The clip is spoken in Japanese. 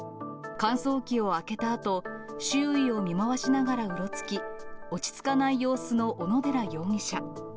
乾燥機を開けたあと、周囲を見回しながらうろつき、落ち着かない様子の小野寺容疑者。